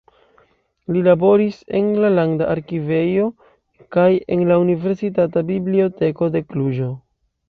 Li laboris en la Landa Arkivejo kaj en la Universitata Biblioteko de Kluĵo.